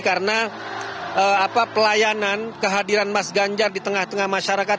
karena pelayanan kehadiran mas ganjar di tengah tengah masyarakat